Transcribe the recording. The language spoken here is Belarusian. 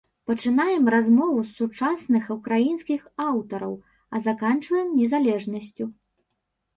Пачынаем размову з сучасных украінскіх аўтараў, а заканчваем незалежнасцю.